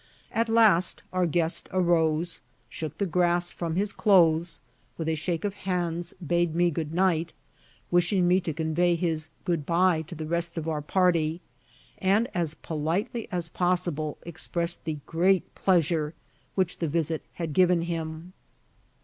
At last our guest arose, shook the grass from his clothes, with a shake of hands bade me good night, wishing me to convey his "good bye" to the rest of our party, and as politely as possible expressed the great pleasure which the visit had given him.